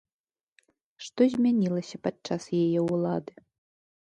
Што змянілася падчас яе ўлады?